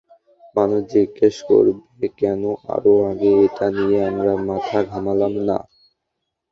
মানুষ জিজ্ঞেস করবে কেন আরো আগে এটা নিয়ে আমরা মাথা ঘামালাম না!